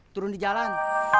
turun di jalan